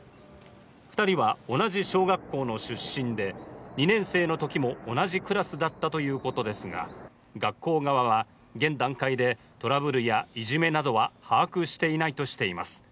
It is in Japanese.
２人は同じ小学校の出身で２年生のときも同じクラスだったということですが、学校側は現段階でトラブルやいじめなどは把握していないとしています。